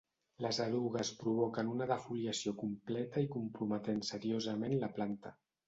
Les erugues provoquen una defoliació completa i comprometent seriosament la planta.